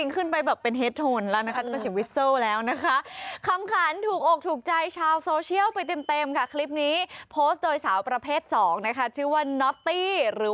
ขาววิติค่ะขาดิฉันจะพร้อมแล้วนะคะวิติค่ะ